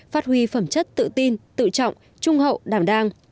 phát huy phẩm chất tự tin tự trọng trung hậu đảm đang